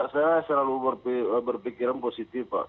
saya selalu berpikiran positif pak